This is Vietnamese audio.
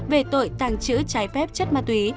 về tội tàng trữ trái phép chất ma túy